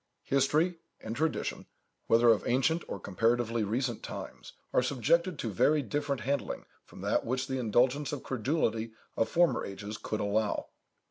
History and tradition, whether of ancient or comparatively recent times, are subjected to very different handling from that which the indulgence or credulity of former ages could allow.